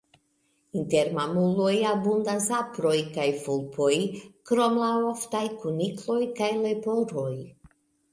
Inter mamuloj abundas aproj kaj vulpoj, krom la oftaj kunikloj kaj leporoj.